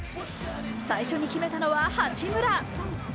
最初に決めたのは八村。